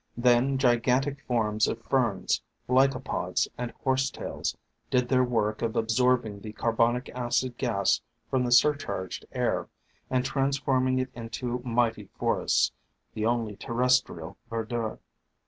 Then gigantic forms of Ferns, Lycopods and Horsetails, did their work of absorbing the carbonic acid gas from the sur charged air, and transforming it into mighty forests, the only terrestial verdure.